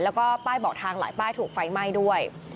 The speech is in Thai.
แล้วก็ป้ายบอกทางหลายป้ายถูกไฟไหม้ด้วย